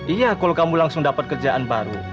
iya kalau kamu langsung dapat kerjaan baru